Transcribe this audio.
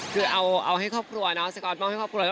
คือเอาให้ครอบครัวนะไซคอลมอบให้ครอบครัว